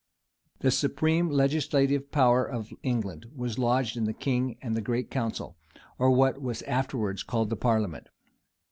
The supreme legislative power of England was lodged in the king and great council, or what was afterwards called the parliament.